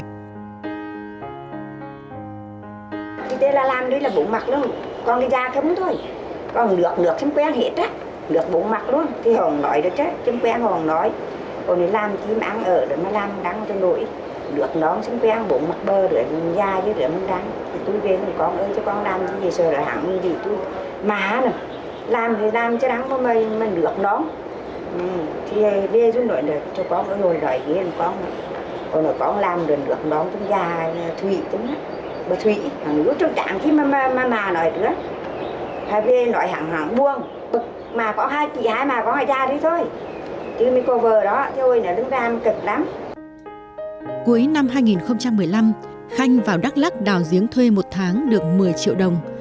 cuối năm hai nghìn một mươi năm khanh vào đắk lắc đào giếng thuê một tháng được một mươi triệu đồng